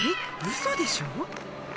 ウソでしょ？